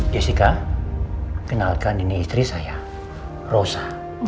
jessica kenalkan ini istri saya rosa